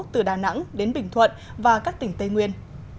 từ đà nẵng đến bình thuận và các tỉnh tây nguyên